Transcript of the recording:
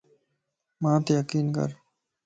مانتَ يقين ڪر